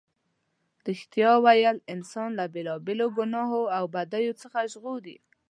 رښتیا ویل انسان له بېلا بېلو گناهونو او بدیو څخه ژغوري.